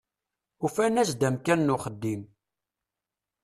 Ufan-as-d amkan n uxeddim.